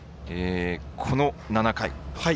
この７回。